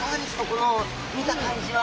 この見た感じは。